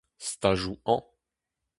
Stajoù hañv.